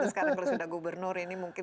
sekarang kalau sudah gubernur ini mungkin